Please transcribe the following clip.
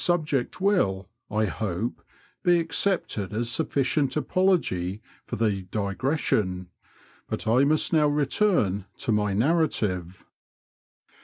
subject will, I hope, be accepted as suflBcient apology for the digression, but I must now return to my narrative.